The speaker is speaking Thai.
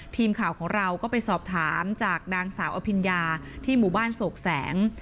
ทีมข่าวของเราก็ไปสอบถามจากนางสาวอภิญญาที่หมู่บ้านโศกแสง